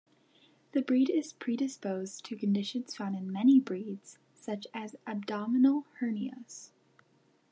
The breed is predisposed to conditions found in many breeds, such as abdominal hernias.